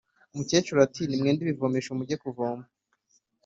umukecuru ati: “nimwende ibivomesho muge kuvoma